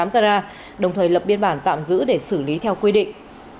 một mươi tám carat đồng thời lập biên bản tạm giữ để xử lý theo quy định